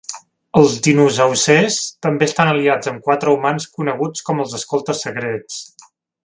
Els Dinosaucers també estan aliats amb quatre humans coneguts com els "Escoltes Secrets".